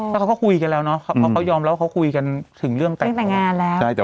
เขาก็คุยกันแล้วนะเพราะเขายอมแล้วคุยกันถึงแตกน้อง